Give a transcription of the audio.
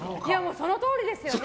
そのとおりですよね。